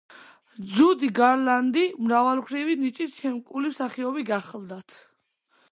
ჯუდი გარლანდი მრავალმხრივი ნიჭით შემკული მსახიობი გახლდათ.